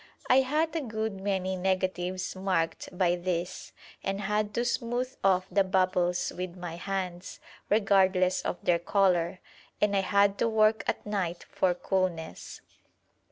I had a good many negatives marked by this, and had to smooth off the bubbles with my hands, regardless of their colour, and I had to work at night for coolness.